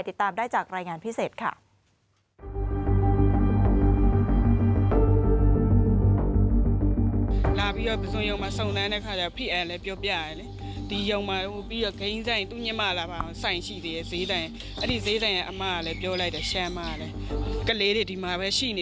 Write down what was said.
ติดตามได้จากรายงานพิเศษค่ะ